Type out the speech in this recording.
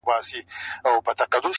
یو چا سپی ښخ کړئ دئ په هدیره کي-